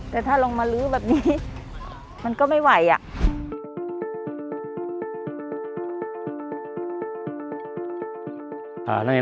แต่ถ้าลงมาลื้อแบบนี้มันก็ไม่ไหวอ่ะ